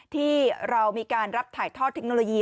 ที่เรามีการรับถ่ายทอดเทคโนโลยี